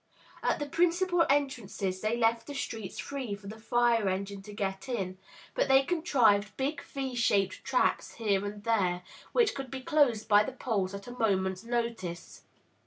At the principal entrances, they left the streets free for the fire engine to get in; but they contrived big V shaped traps here . 66 THROUGH FAIRY HALLS and there, which could be closed by the poles at a moment's notice.